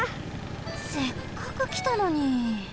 せっかくきたのに！